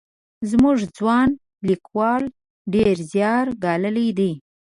زموږ ځوان لیکوال ډېر زیار ګاللی دی.